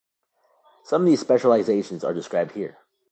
Some of these specializations are described here.